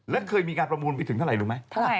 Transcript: และเคยมีการประหวุ้นไปถึงเท่าไหร่รู้ไหม